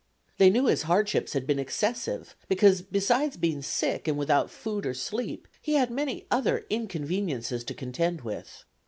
They knew his hardships had been excessive, because, besides being sick and without food or sleep, he had many other inconveniences to contend with.